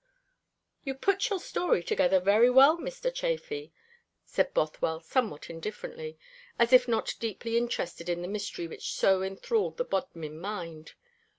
"You put your story together very well, Mr. Chafy," said Bothwell somewhat indifferently, as if not deeply interested in the mystery which so enthralled the Bodmin mind.